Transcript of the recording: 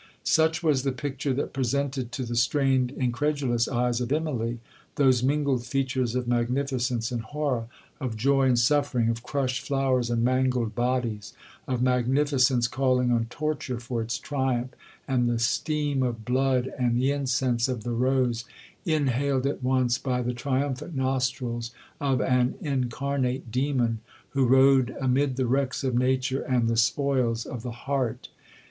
'Such was the picture that presented to the strained, incredulous eyes of Immalee, those mingled features of magnificence and horror,—of joy and suffering,—of crushed flowers and mangled bodies,—of magnificence calling on torture for its triumph,—and the steam of blood and the incense of the rose, inhaled at once by the triumphant nostrils of an incarnate demon, who rode amid the wrecks of nature and the spoils of the heart!